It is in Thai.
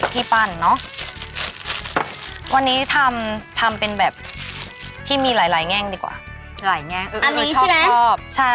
อย่างอันนี้จะเป็นสะมารถสรุปของ